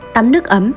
tắm nước ấm